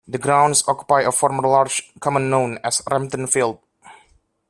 The grounds occupy a former large common known as "Rampton Field".